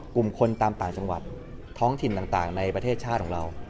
กลุ่มคนตามต่างจังหวัดท้องถิ่นต่างในประเทศชาติของเรา